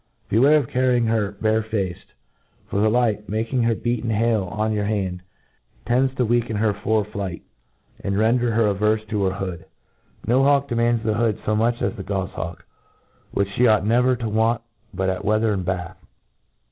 Beware of carrying her bare faced J for the light, niaking her beat and hale ^n your hand, tends to weaken hfcr for flight, and tender her arerfe to her hood. Na MODERN PAULCONRY. 225 No hawk demands the hood fo much as the gofliawk, which fhc ought never to want but at weather and bath.